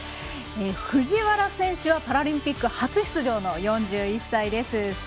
藤原選手はパラリンピック初出場の４１歳です。